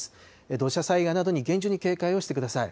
土砂災害などに厳重に警戒をしてください。